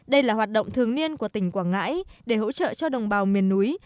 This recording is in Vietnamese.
đây là hoạt động thường niên của tỉnh quảng ngãi để hỗ trợ cho đồng bào miền núi